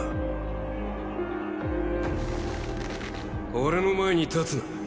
俺の前に立つな。